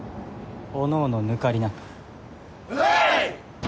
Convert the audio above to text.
おのおの抜かりなくはい！